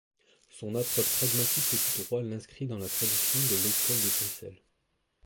Son approche pragmatique du droit l'inscrit dans la tradition de l'Ecole de Bruxelles.